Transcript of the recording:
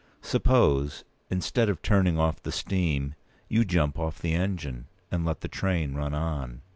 Suppose, instead of turning off the steam, you jump off the engine, and let the train run on?"